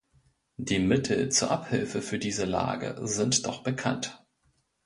Die Mittel zur Abhilfe für diese Lage sind doch bekannt.